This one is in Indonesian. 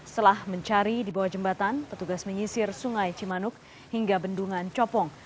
setelah mencari di bawah jembatan petugas menyisir sungai cimanuk hingga bendungan copong